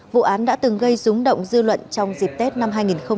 vụ án đã từng gây rúng động dư luận trong dịp tết năm hai nghìn một mươi chín